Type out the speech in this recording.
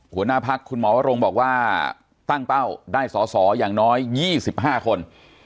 หัวหน้าพักคุณหมอวรงค์บอกว่าตั้งเป้าได้สอสออย่างน้อย๒๕คน